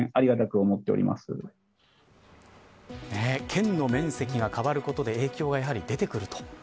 県の面積が変わることで影響は、やはり出てくると。